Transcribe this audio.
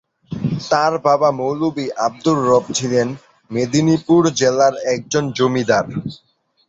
তার বাবা মৌলভি আবদুর রব ছিলেন মেদিনীপুর জেলার একজন জমিদার।